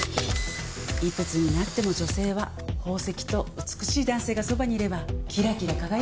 いくつになっても女性は宝石と美しい男性がそばにいればキラキラ輝くんですよ。